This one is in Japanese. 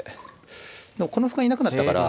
でもこの歩がいなくなったから。